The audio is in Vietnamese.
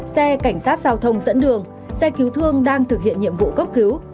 xe cảnh sát giao thông dẫn đường xe cứu thương đang thực hiện nhiệm vụ cấp cứu